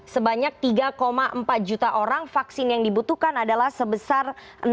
sebanyak tiga empat juta orang vaksin yang dibutuhkan adalah sebesar